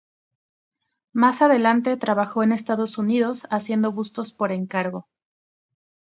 Más adelante trabajó en Estados Unidos haciendo bustos por encargo.